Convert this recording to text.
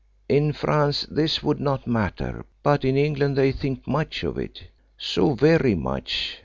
In France this would not matter, but in England they think much of it so very much.